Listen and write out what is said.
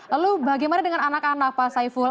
lalu bagaimana dengan anak anak pak saiful